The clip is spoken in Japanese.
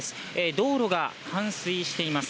道路が冠水しています。